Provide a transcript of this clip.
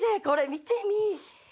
見てみぃ。